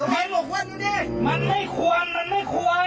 มันไม่ควรมันไม่ควร